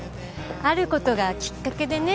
ある事がきっかけでね。